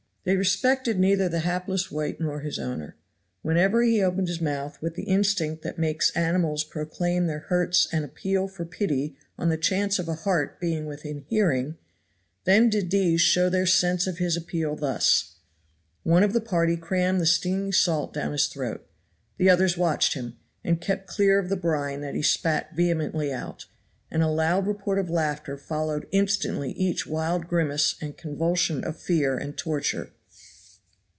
They respected neither the hapless wight nor his owner. Whenever he opened his mouth with the instinct that makes animals proclaim their hurts and appeal for pity on the chance of a heart being within hearing, then did these show their sense of his appeal thus: One of the party crammed the stinging salt down his throat; the others watched him, and kept clear of the brine that he spat vehemently out, and a loud report of laughter followed instantly each wild grimace and convulsion of fear and torture.